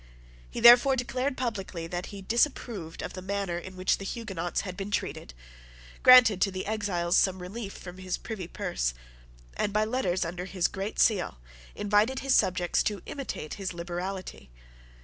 He therefore declared publicly that he disapproved of the manner in which the Huguenots had been treated, granted to the exiles some relief from his privy purse, and, by letters under his great seal, invited his subjects to imitate his liberality.